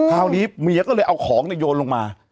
คราวนี้เมียก็เลยเอาของโยนลงมา